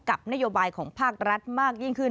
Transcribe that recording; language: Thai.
กับนโยบายของภาครัฐมากยิ่งขึ้น